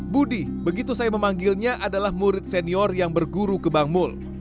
budi begitu saya memanggilnya adalah murid senior yang berguru kebangsaan